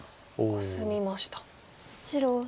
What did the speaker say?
コスみました。